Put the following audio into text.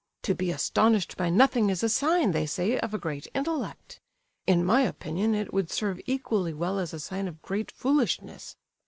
"To be astonished by nothing is a sign, they say, of a great intellect. In my opinion it would serve equally well as a sign of great foolishness.